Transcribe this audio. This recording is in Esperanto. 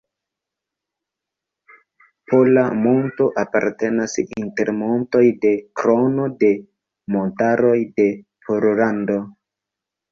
Pola monto apartenas inter montoj de Krono de montaroj de Pollando.